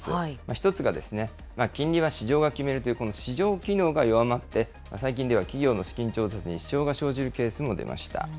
１つが金利は市場が決めるというこの市場機能が弱まって、最近では企業の資金調達に支障が生じるケースも出ました。